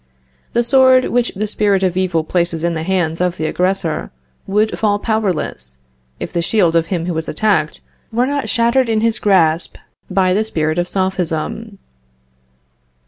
The sword which the spirit of evil places in the hands of the aggressor, would fall powerless, if the shield of him who is attacked were not shattered in his grasp by the spirit of Sophism.